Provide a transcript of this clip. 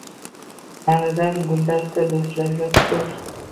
Ma’nidan guldasta do’stlarga tutib